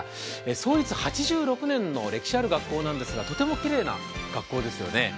創立８６年の歴史ある学校なんですが、とてもきれいな学校ですよね。